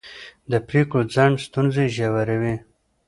د پرېکړو ځنډ ستونزې ژوروي